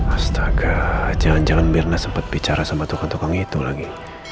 astaga jangan jangan mirna sempat bicara sama tukang tukang itu lagi